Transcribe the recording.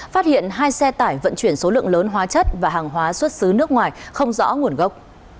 phát hiện hai xe tải vận chuyển số lượng lớn hóa chất và hàng hóa xuất xứ nước ngoài không rõ nguồn gốc